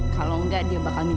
kalau nggak dia bakal minta duit